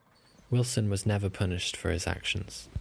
Wilson was never punished for his actions.